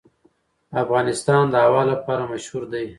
افغانستان د هوا لپاره مشهور دی.